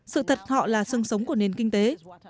sự thật họ là sương sống của nền kinh tế